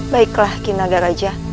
baiklah kinaga raja